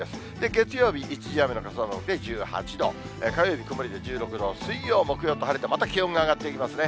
月曜日、一時雨の傘マークで１８度、火曜日曇りで１６度、水曜、木曜と晴れて、また気温が上がっていきますね。